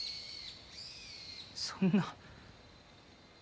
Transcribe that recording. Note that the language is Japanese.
そんな。